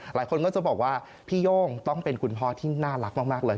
หลายคนก็จะบอกว่าพี่โย่งต้องเป็นคุณพ่อที่น่ารักมากเลย